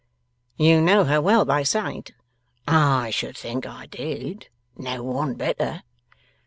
'You know her well, by sight?' 'I should think I did! No one better.